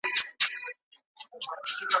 له ارغوان تر لاله زار ښکلی دی